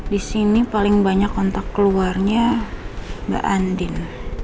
disini paling banyak kontak keluarnya mbak andin